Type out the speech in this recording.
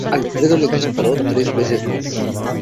Alfredo le disparó tres veces más.